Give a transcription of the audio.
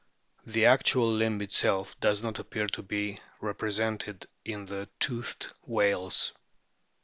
The actual limb itself does not appear to be repre sented in the toothed whales.